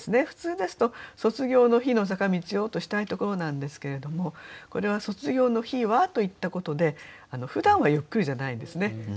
普通ですと「卒業の日の坂道を」としたいところなんですけれどもこれは「卒業の日は」と言ったことでふだんはゆっくりじゃないんですね。